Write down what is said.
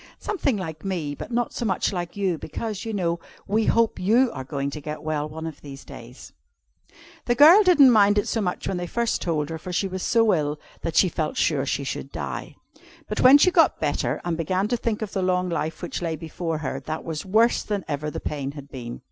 "Something like me; but not so much like you, because, you know, we hope you are going to get well one of these days. The girl didn't mind it so much when they first told her, for she was so ill that she felt sure she should die. But when she got better, and began to think of the long life which lay before her, that was worse than ever the pain had been.